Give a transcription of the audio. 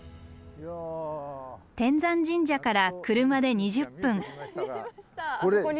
天山神社から車で２０分。